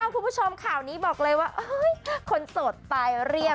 คุณผู้ชมข่าวนี้บอกเลยว่าคนโสดตายเรียบ